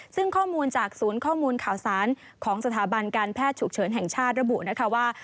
ซึ่งข้อมูลจากศูนย์ข้อมูลข่าวสารของสถาบันการแพทย์ฉุกเฉินแห่งชาติระบุนะคะว่า